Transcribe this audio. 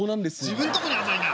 「自分とこには甘いな」。